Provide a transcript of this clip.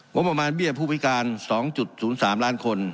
งุมมานเบี้ยภูมิการ๒๐๓ล้านคน